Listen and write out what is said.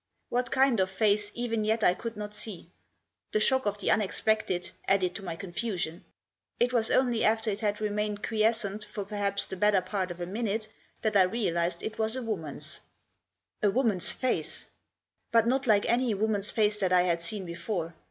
What kind of face even yet I could not see ; the shock of the unexpected added to my confusion. It was only after it had remained quiescent for perhaps the better part of a minute that I realised it was a woman's. A woman's face ! But not like any woman's face that I had seen before.